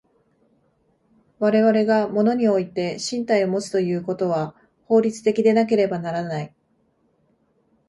我々が物において身体をもつということは法律的でなければならない。